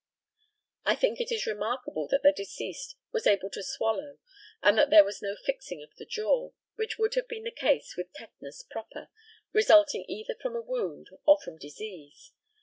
I think it is remarkable that the deceased was able to swallow, and that there was no fixing of the jaw, which would have been the case with tetanus proper, resulting either from a wound, or from disease.